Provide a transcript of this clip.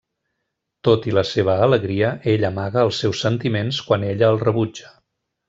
Tot i la seva alegria, ell amaga els seus sentiments quan ella el rebutja.